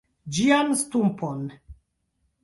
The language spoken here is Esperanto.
ĝian stumpon.